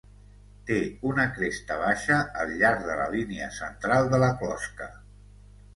Té una cresta baixa al llarg de la línia central de la closca.